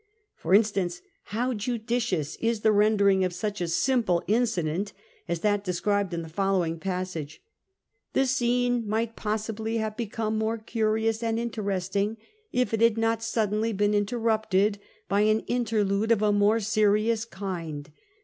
For instance, how judicious is the rendering of such a simple incident as tliat described in the follow ing passage: "The scene might possibly have become more curious and interesting if it had not suddenly been interrupted by an interlude of a more serious kind.